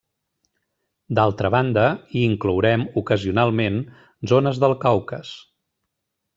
D'altra banda, hi inclourem ocasionalment zones del Caucas.